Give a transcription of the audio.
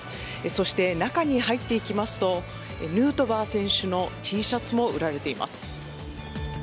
そして、中に入っていきますとヌートバー選手のＴシャツも売られています。